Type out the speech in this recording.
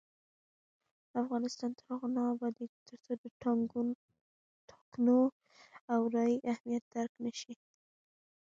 افغانستان تر هغو نه ابادیږي، ترڅو د ټاکنو او رایې اهمیت درک نشي.